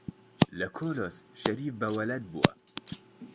لە کۆلۆس شەریف بە وەلەد بووە